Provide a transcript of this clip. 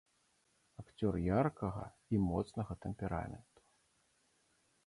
Акцёр яркага і моцнага тэмпераменту.